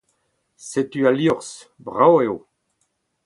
Setu al liorzh. Brav eo.